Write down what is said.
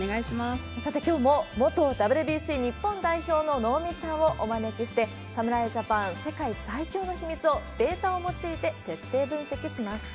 さて、きょうも元ＷＢＣ日本代表の能見さんをお招きして、侍ジャパン、世界最強の秘密を、データを用いて徹底分析します。